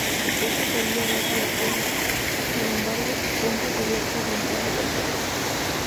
Esta sólida base de apoyo, sin embargo, pronto se vio fragmentada tras la guerra.